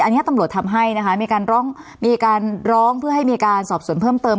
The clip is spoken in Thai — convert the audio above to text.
อันนี้ตำรวจทำให้นะคะมีการร้องมีการร้องเพื่อให้มีการสอบสวนเพิ่มเติม